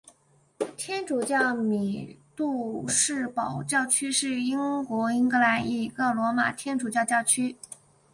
天主教米杜士堡教区是英国英格兰一个罗马天主教教区。